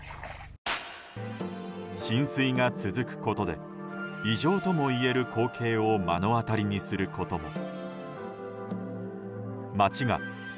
浸水が続くことで異常ともいえる光景を目の当たりにすることも。